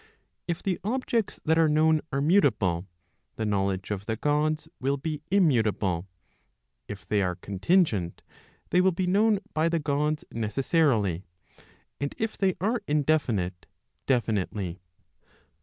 If the objects that are known are mutable, the knowledge of the Gods will be immutable; if they are contingent, they will be known by the Gods necessarily; and if they are indefinite, defi¬ nitely.